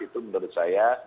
itu menurut saya